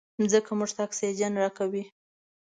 مځکه موږ ته اکسیجن راکوي.